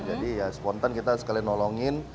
jadi ya spontan kita sekalian nolongin